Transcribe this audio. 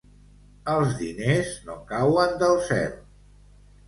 Els diners no cauen del cel.